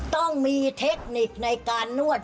ต้องมีเทคนิคในการนวด